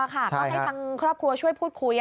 ก็ให้ทางครอบครัวช่วยพูดคุย